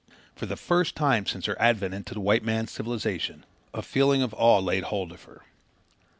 For the first time since her advent into the white man's civilization, a feeling of awe laid hold of her.